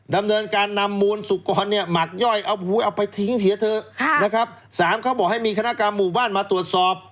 ดำเนินการนำมูลสุกรเนี่ยหมักย่อยเอาหูเอาไปทิ้งเสียเถอะนะครับสามเขาบอกให้มีคณะกรรมหมู่บ้านมาตรวจสอบ